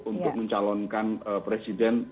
untuk mencalonkan presiden